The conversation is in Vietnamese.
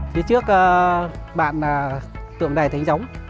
phía trước bạn là tượng đài thánh giống